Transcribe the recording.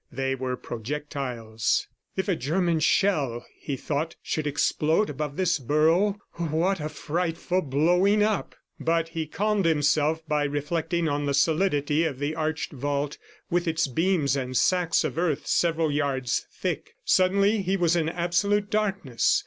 They were projectiles. "If a German shell," he thought, "should explode above this burrow ... what a frightful blowing up!" ... But he calmed himself by reflecting on the solidity of the arched vault with its beams and sacks of earth several yards thick. Suddenly he was in absolute darkness.